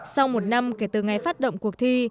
sau một năm kể từ ngày phát động cuộc thi